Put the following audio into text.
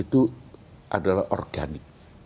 itu adalah organik